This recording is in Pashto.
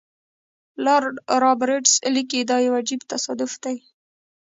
لارډ رابرټس لیکي دا یو عجیب تصادف دی.